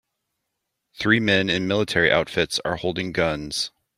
Three men in military outfits are holding guns.